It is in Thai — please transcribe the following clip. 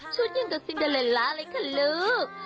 ชุดอย่างตัวซินดาเลลลาเลยค่ะลูก